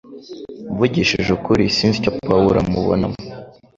Mvugishije ukuri, sinzi icyo Pawulo amubonamo